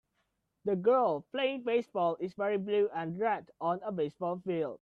The girl playing baseball is wearing blue and red on a baseball field.